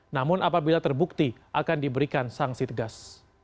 namun apabila terbukti akan diberikan sanksi tegas